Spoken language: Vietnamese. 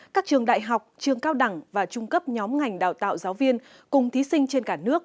các trường đại học trường cao đẳng và trung cấp nhóm ngành đào tạo giáo viên cùng thí sinh trên cả nước